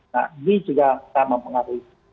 nah ini juga sama pengaruh itu